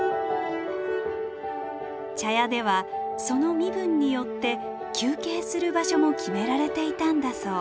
茶屋ではその身分によって休憩する場所も決められていたんだそう。